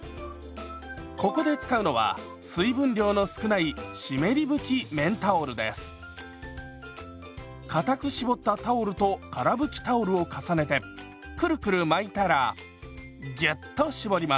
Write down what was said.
ここで使うのは水分量の少ないかたく絞ったタオルとから拭きタオルを重ねてクルクル巻いたらギュッと絞ります。